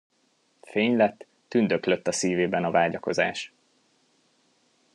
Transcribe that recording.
Fénylett, tündöklött a szívében a vágyakozás.